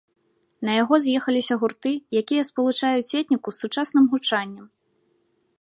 На яго з'ехаліся гурты, якія спалучаюць этніку з сучасным гучаннем.